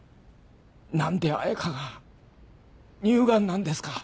何で彩佳が乳ガンなんですか？